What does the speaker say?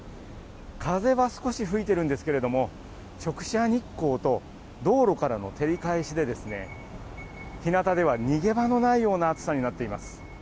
風は少し吹いてるんですけれども直射日光と道路からの照り返しで日向では逃げ場のないような暑さになっています。